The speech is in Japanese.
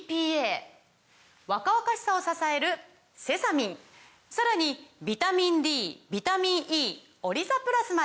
若々しさを支えるセサミンさらにビタミンＤビタミンＥオリザプラスまで！